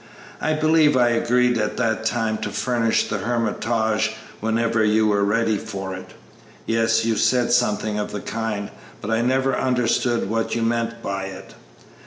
"I believe I agreed at that time to furnish the hermitage whenever you were ready for it." "Yes, you said something of the kind, but I never understood what you meant by it."